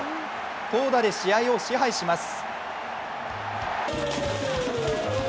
投打で試合を支配します。